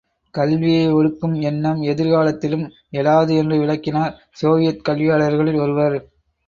கல்வியை ஒடுக்கும் எண்னம் எதிர்காலத்திலும் எழாது என்று விளக்கினார், சோவியத் கல்வியாளர்களில் ஒருவர்.